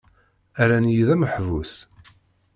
Rran-iyi d ameḥbus.